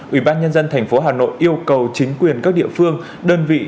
ủy ban nhân dân thành phố hà nội yêu cầu chính quyền các địa phương đơn vị